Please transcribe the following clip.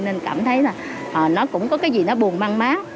nên cảm thấy là nó cũng có cái gì nó buồn măng má